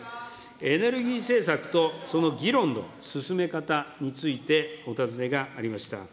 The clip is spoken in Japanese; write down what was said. エネルギー政策とその議論の進め方についてお尋ねがありました。